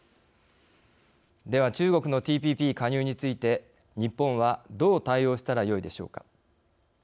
では、中国のＴＰＰ加入について日本は、どう対応したらよいでしょうか。